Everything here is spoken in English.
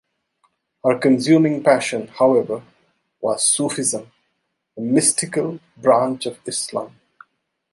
Her consuming passion, however, was Sufism, the mystical branch of Islam.